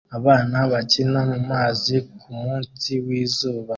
Abana bakina mumazi kumunsi wizuba